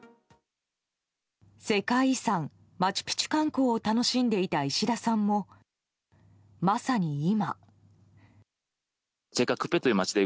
世界遺産マチュピチュ観光を楽しんでいた石田さんもまさに、今。